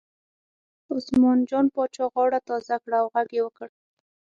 عثمان جان پاچا غاړه تازه کړه او غږ یې وکړ.